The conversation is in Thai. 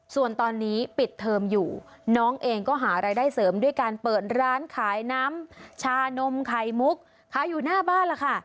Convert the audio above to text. ส่วนตอนนี้ปิดเทอมอยู่น้องเองก็หารายได้เสริมด้วยการเปิดร้านขายน้ำชานมไข่มุกขายอยู่หน้าบ้านล่ะค่ะ